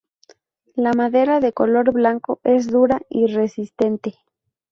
La madera de color blanco es dura y resistente.